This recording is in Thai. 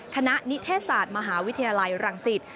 คณะนิเทศาสตร์มหาวิทยาลัยรังสิทธิ์